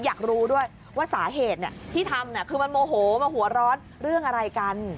อยากรู้ด้วยว่าสาเหตุที่ทำคือมันโมโหมาหัวร้อนเรื่องอะไรกัน